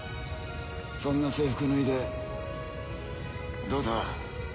そんな制服脱いでどうだ？